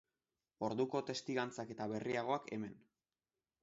Orduko testigantzak eta berriagoak hemen.